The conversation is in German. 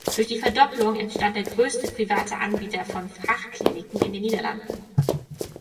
Durch die Verdopplung entstand der größte private Anbieter von Fachkliniken in den Niederlanden.